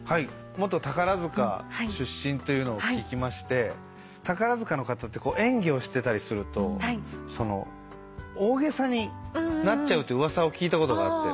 元宝塚出身というのを聞きまして宝塚の方って演技をしてたりすると大げさになっちゃうって噂を聞いたことがあって。